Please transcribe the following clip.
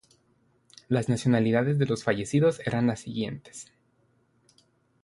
Las nacionalidades de los fallecidos eran las siguientes.